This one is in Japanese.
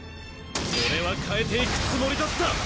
俺は変えていくつもりだった！